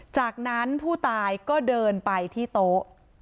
จากนั้นผู้ตายก็เดินไปที่โต๊ะ